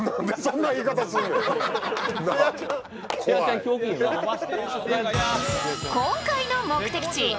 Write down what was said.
今回の目的地